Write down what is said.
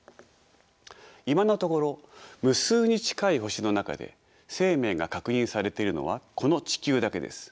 今のところ無数に近い星の中で生命が確認されているのはこの地球だけです。